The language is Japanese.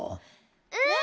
うん。